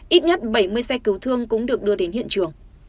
ít nhất bảy mươi xe cứu thương cũng được đưa đến hiện trường